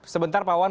sebentar pak wawan